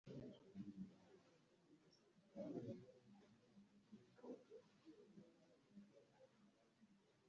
(Self-Mastery Though Autosuggestion)